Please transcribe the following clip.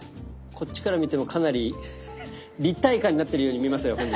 こっちから見てもかなり立体感になってるように見えますよ